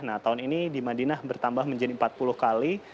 nah tahun ini di madinah bertambah menjadi empat puluh kali